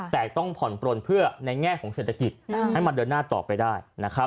แต่ต้องผ่อนปลนเพื่อในแง่ของเศรษฐกิจให้มันเดินหน้าต่อไปได้